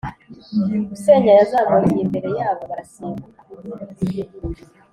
Usenya yazamukiye imbere yabo barasimbuka